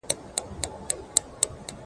زه پلان نه جوړوم؟